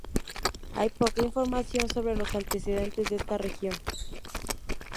Hay poca información sobre los antecedentes de esta región.